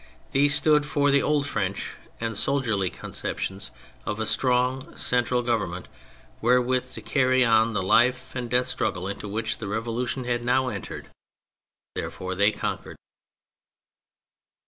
These stood for the old French and soldierly conception of a strong central Govern ment, wherewith to carry on the life and death struggle into which the Revolution had now entered : therefore they conquered.